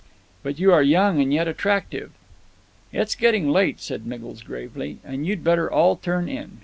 "But you are young yet and attractive " "It's getting late," said Miggles, gravely, "and you'd better all turn in.